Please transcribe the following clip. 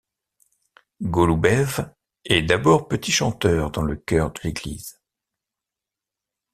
Goloubev est d'abord petit chanteur dans le chœur de l'église.